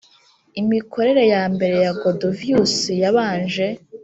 Imikorere ya mbere ya Godovius yabanje